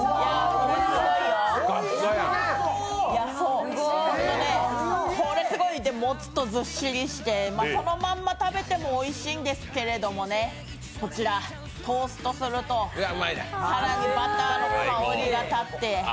これ、持つとすごいずっしりして、そのまま食べてもおいしんですけどもこちら、トーストすると更にバターの香りが立って。